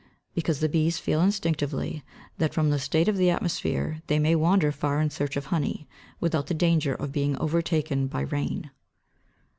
_ Because the bees feel instinctively that from the state of the atmosphere they may wander far in search of honey, without the danger of being overtaken by rain.